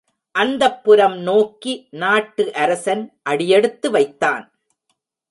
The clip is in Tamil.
அந்தப்புரம் நோக்கி நாட்டு அரசன் அடியெடுத்து வைத்தான்.